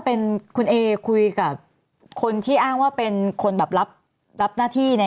เป็นคุณเอคุยกับคนที่อ้างว่าเป็นคนแบบรับหน้าที่